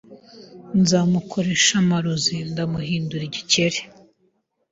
Nzomukoresha amarozi ndamuhindura igikeri